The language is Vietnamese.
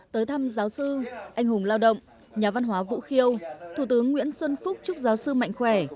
tới thăm giáo sư anh hùng lao động nhà văn hóa vũ khiêu thủ tướng nguyễn xuân phúc chúc giáo sư mạnh khỏe